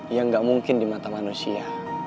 yang gak mungkin di mata manusia